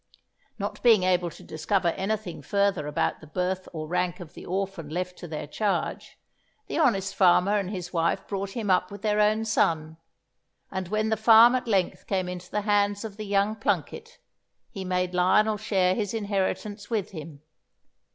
Not being able to discover anything further about the birth or rank of the orphan left to their charge, the honest farmer and his wife brought him up with their own son; and when the farm at length came into the hands of the young Plunket, he made Lionel share his inheritance with him.